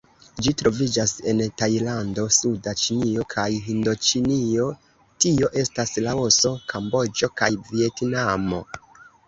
Ĝi troviĝas en Tajlando, suda Ĉinio kaj Hindoĉinio, tio estas Laoso, Kamboĝo kaj Vjetnamo.